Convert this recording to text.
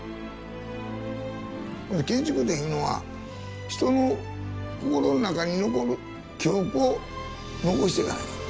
建築っていうのは人の心の中に残る記憶を残していかなあかん。